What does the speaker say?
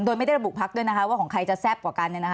โดยไม่ได้ระบุพักด้วยนะคะว่าของใครจะแซ่บกว่ากัน